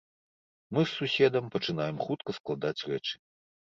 Мы з суседам пачынаем хутка складаць рэчы.